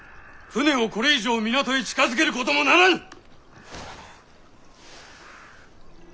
船をこれ以上港へ近づけることもならぬ！